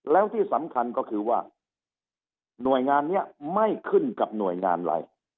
แล้วที่สำคัญก็คือว่าหน่วยงานนี้ไม่ขึ้นกับหน่วยงานอะไร